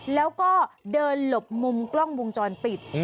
แล้วก็เดินหลบมุมกล้องวงจรปิด